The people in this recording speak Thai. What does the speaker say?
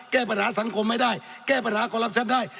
แก้ปัญหาสังคมไม่ได้แก้ปัญหาคอรัปชั่นได้